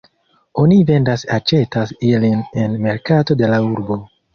Oni vendas-aĉetas ilin en merkato de la urbo.